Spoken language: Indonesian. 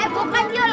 eh bukan yul